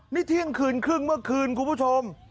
นี่เที่ยงคืนครึ่งเมื่อคืนคุณผู้ชม